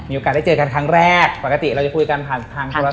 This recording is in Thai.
มีโอกาสได้เจอกันครั้งแรกปกติเราจะคุยกันผ่านโทรศัพท์